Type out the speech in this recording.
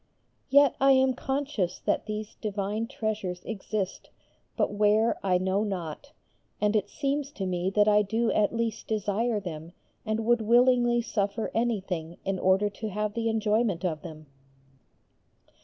Yet I am conscious that these divine treasures exist, but where I know not, and it seems to me that I do at least desire them and would willingly suffer anything in order to have the enjoyment of them.